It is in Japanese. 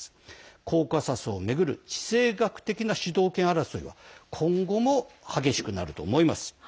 コーカサスを巡る地政学的な主導権争いは今後も激しくなると思います。